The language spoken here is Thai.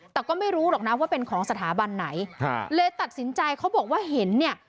แต่ก็ไม่รู้หรอกนะว่าเป็นของสถาบันไหนฮะเลยตัดสินใจเขาบอกว่าเห็นเนี่ย